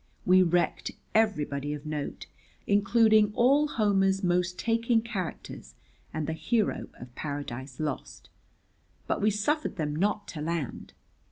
We wrecked everybody of note, including all Homer's most taking characters and the hero of Paradise Lost. But we suffered them not to land.